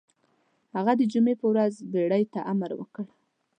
هغه د جمعې په ورځ بېړۍ ته امر وکړ.